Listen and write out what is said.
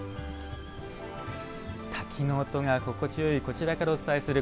滝の音が心地よいこちらからお伝えする